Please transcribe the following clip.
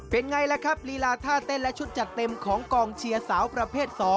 เป็นไงล่ะครับลีลาท่าเต้นและชุดจัดเต็มของกองเชียร์สาวประเภท๒